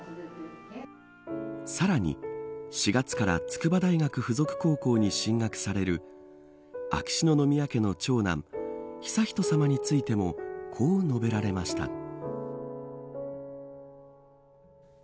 さらに４月から筑波大学附属高校に進学される秋篠宮家の長男悠仁さまについてもこう述べられました。